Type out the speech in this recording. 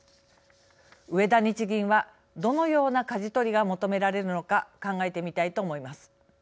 植田日銀はどのようなかじ取りが求められるのか考えてみたいと思います。